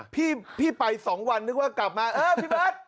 พี่ไป๒วันนึกว่ากลับมาเออพี่เบิร์ต